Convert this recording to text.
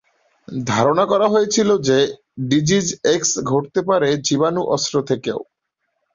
ধারণা করা হয়েছিল যে ডিজিজ এক্স ঘটতে পারে জীবাণু অস্ত্র থেকেও।